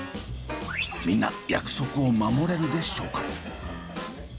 みんな約束を守れるでしょうか？